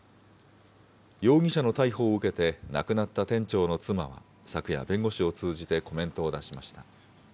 容疑者の逮捕を受けて、亡くなった店長の妻は昨夜、弁護士を通じてコメントを出しました。